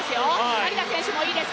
成田選手もいいです